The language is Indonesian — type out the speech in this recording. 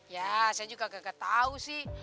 ya saya juga gak tahu sih